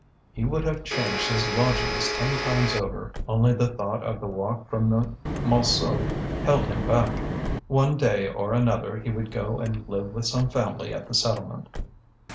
He would have changed his lodgings ten times over, only the thought of the walk from Montsou held him back. One day or another he would go and live with some family at the settlement.